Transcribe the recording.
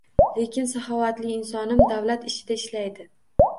Lekin saxovatli insonim davlat ishida ishlaydi